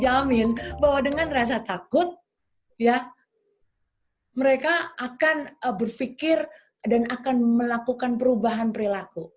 dijamin bahwa dengan rasa takut ya mereka akan berpikir dan akan melakukan perubahan perilaku